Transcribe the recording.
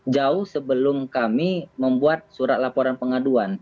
jauh sebelum kami membuat surat laporan pengaduan